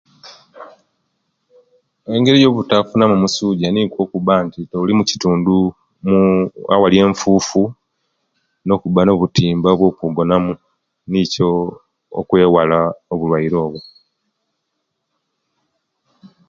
Engeri eyobutafunamu omusuuja niikwo okuba nti ooli omukitundu muu awali enfuufu, nokuba nobutimba obwokugonamu nikyo okweewala obulwaire obwo.